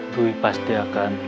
dwi pasti akan